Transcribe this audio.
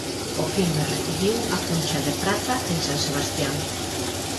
O filme recibiu a Cuncha de Prata en San Sebastián.